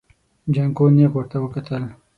جانکو نيغ ورته وکتل.